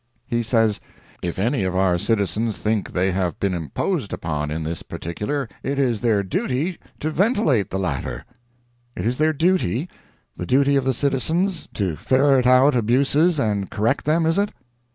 He says, "If any of our citizens think they have been imposed upon in this particular, it is their duty to ventilate the latter." It is their duty—the duty of the citizens—to ferret out abuses and correct them, is it?